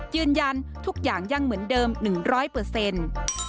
ยืนยันทุกอย่างยังเหมือนเดิม๑๐๐เปอร์เซ็นต์